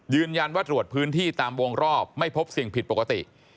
ยืนยันว่าตรวจพื้นที่ตามวงรอบไม่พบเสี่ยงผิดปกติ